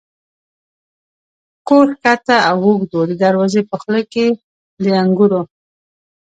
کور کښته او اوږد و، د دروازې په خوله کې د انګورو.